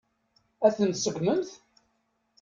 Ad ten-tseggmemt?